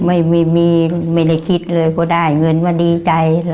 ไม่มีไม่ได้คิดเลยเพราะได้เงินมาดีใจ